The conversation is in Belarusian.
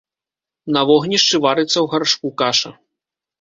На вогнішчы варыцца ў гаршку каша.